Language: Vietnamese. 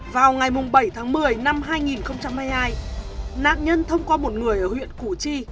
vào ngày bảy tháng một mươi năm hai nghìn hai mươi hai nạn nhân thông qua một người ở huyện củ chi